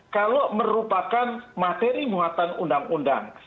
kalau merupakan materi muatan undang undang